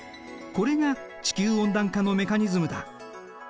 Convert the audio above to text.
これが地球温暖化のメカニズムだ。